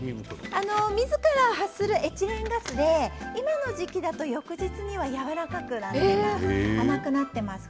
みずから発するエチレンガスで今の時期だと翌日にはやわらかくなっています。